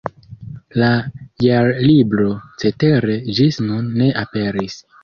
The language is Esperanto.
La Jarlibro cetere ĝis nun ne aperis.